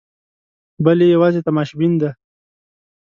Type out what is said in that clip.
بل یې یوازې تماشبین دی.